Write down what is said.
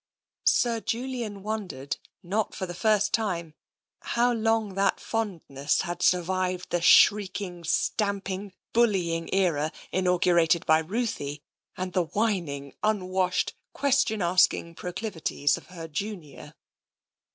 Sir Julian wondered, not for the first time, how long that fondness had survived the shrieking, stamping, bullying era inaugurated by Ruthie, and the whin ing, unwashed, question asking proclivities of her junior.